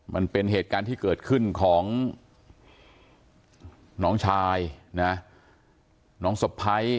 มันเป็นเหตุการณ์ที่เกิดขึ้นของน้องชายนะน้องสะพ้าย